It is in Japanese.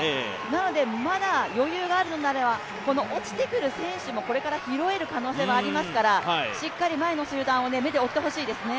なので、まだ余裕があるなら、落ちてくる選手を拾える可能性もありますからしっかり前の集団を目で追ってほしいですね。